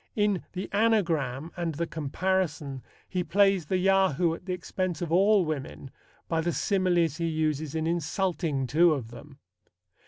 In The Anagram and The Comparison he plays the Yahoo at the expense of all women by the similes he uses in insulting two of them.